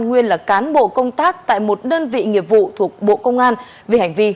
nguyên là cán bộ công tác tại một đơn vị nghiệp vụ thuộc bộ công an vì hành vi